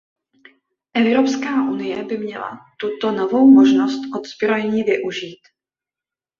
Evropská unie by měla tuto novou možnost odzbrojení využít.